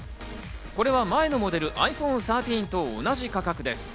これは前のモデル、ｉＰｈｏｎｅ１３と同じ価格です。